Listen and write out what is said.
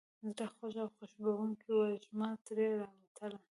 زړه خوږه او خوشبوونکې وږمه ترې را والوته.